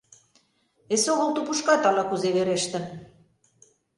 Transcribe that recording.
Эсогыл тупышкат ала-кузе верештын.